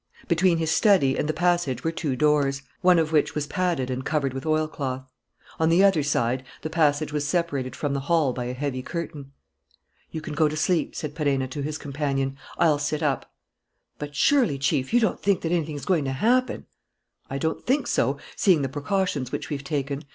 Between his study and the passage were two doors, one of which was padded and covered with oilcloth. On the other side, the passage was separated from the hall by a heavy curtain. "You can go to sleep," said Perenna to his companion. "I'll sit up." "But surely, Chief, you don't think that anything's going to happen!" "I don't think so, seeing the precautions which we've taken.